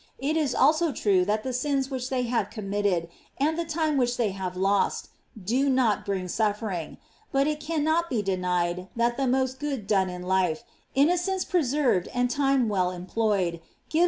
It is also true that the sins which they have commit ted, and the time which they have lost, do not bring suffering; but it cannot be denied that the most good done in life, innocence preserved and time well employed, give the greatest content.